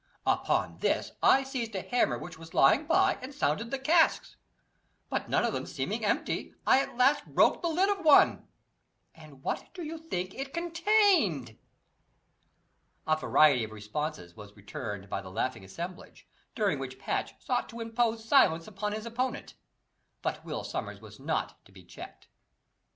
Upon this I seized a hammer which was lying by and sounded the casks, but none of them seeming empty, I at last broke the lid of one and what do you think it contained?" A variety of responses were returned by the laughing assemblage, during which Patch sought to impose silence upon his opponent. But Will Sommers was not to be checked.